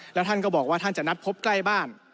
แล้วท่านก็บอกว่าท่านจะนัดพบใกล้บ้าน